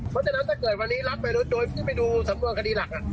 เพราะฉะนั้นถ้าเกิดวันนี้รัฐไม่รู้โดยที่ไปดูสำนวนคดีหลัก